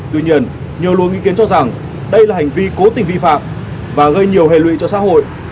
tuy nhiên nhiều luồng ý kiến cho rằng đây là hành vi cố tình vi phạm và gây nhiều hệ lụy cho xã hội